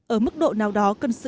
ở mức độ nào đó cần xử lý